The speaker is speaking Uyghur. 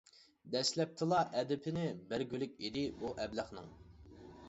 دەسلەپتىلا ئەدىپىنى بەرگۈلۈك ئىدى ئۇ ئەبلەخنىڭ.